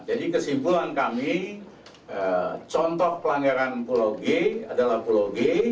jadi kesimpulan kami contoh pelanggaran pulau g adalah pulau g